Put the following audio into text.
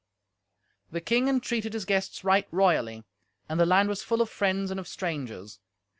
The king entreated his guests right royally, and the land was full of friends and of strangers.